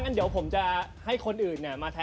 กับพอรู้ดวงชะตาของเขาแล้วนะครับ